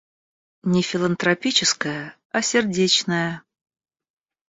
Не филантропическое, а сердечное.